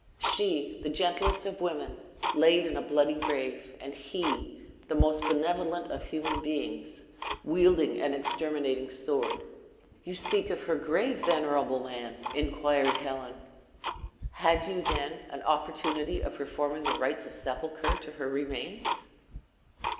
She, the gentlest of women, laid in a bloody grave; and he, the most benevolent of human beings, wielding an exterminating sword! "You speak of her grave, venerable man," inquired Helen; "had you, then, an opportunity of performing the rites of sepulture to her remains?"